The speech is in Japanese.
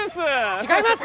違います！